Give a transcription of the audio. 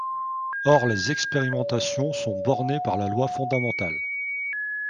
Or les expérimentations sont bornées par la loi fondamentale.